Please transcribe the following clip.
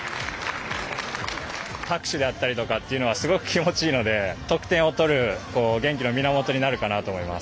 拍手であったりというのは、すごく気持ちがいいので得点を取る元気の源になるかなと思います。